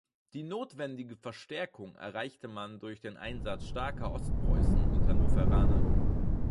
Die notwendige Verstärkung erreichte man durch den Einsatz starker Ostpreußen und Hannoveraner.